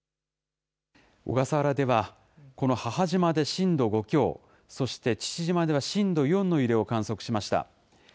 小笠原では、この母島で震度５強、そして父島では震度４の揺れを観測しました。